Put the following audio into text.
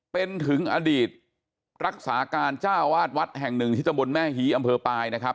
เป็นถึงอดีตรักษาการเจ้าวาดวัดแห่งหนึ่งที่ตะบนแม่ฮีอำเภอปลายนะครับ